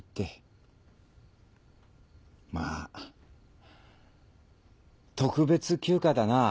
まあ特別休暇だな。